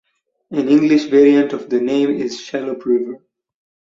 An English variant of the name is Shallop River.